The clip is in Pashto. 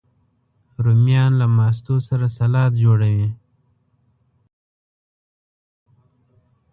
رومیان له ماستو سره سالاد جوړوي